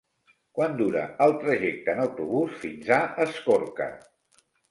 Quant dura el trajecte en autobús fins a Escorca?